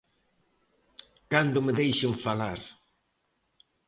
Cando me deixen falar.